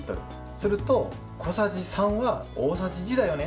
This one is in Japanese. すると小さじ３は大さじ１だよね。